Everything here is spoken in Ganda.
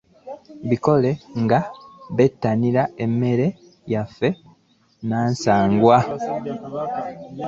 Bakikole nga bettanira emmere yaffe nnansangwa.